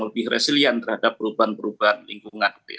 lebih resilient terhadap perubahan perubahan lingkungan